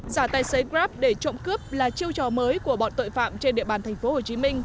giả tài xế grab để trộm cướp là chiêu trò mới của bọn tội phạm trên địa bàn tp hcm